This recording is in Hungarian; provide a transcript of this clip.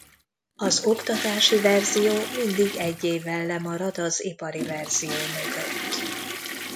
Az oktatási verzió mindig egy évvel lemarad az ipari verzió mögött.